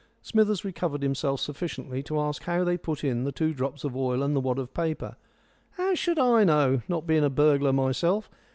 Smithers recovered himself sufficiently to ask how they put in the two drops of oil and the wad of paper. "How should I know, not being a burglar myself?